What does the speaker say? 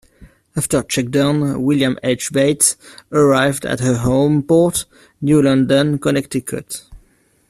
After shakedown, "William H. Bates" arrived at her home port, New London, Connecticut.